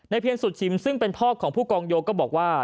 เพียรสุดชิมซึ่งเป็นพ่อของผู้กองโยก็บอกว่า